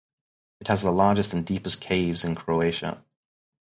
It has the largest and deepest caves in Croatia.